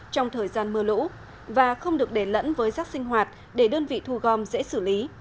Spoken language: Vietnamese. trong thời gian mưa lũ và không được để lẫn với rác sinh hoạt để đơn vị thu gom dễ xử lý